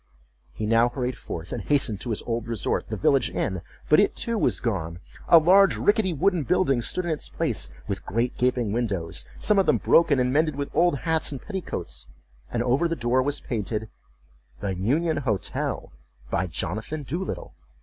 He now hurried forth, and hastened to his old resort, the village inn—but it too was gone. A large rickety wooden building stood in its place, with great gaping windows, some of them broken and mended with old hats and petticoats, and over the door was painted, "the Union Hotel, by Jonathan Doolittle."